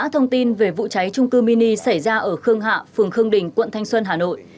thông tin về vụ cháy trung cư mini xảy ra ở khương hạ phường khương đình quận thanh xuân hà nội